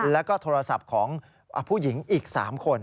แล้วก็โทรศัพท์ของผู้หญิงอีก๓คน